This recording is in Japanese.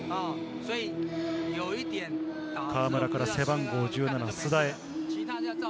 河村から背番号１７・須田へ。